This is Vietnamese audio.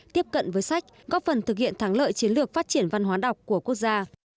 tiếp cận với sách góp phần thực hiện thắng lợi chiến lược phát triển văn hóa đọc của quốc gia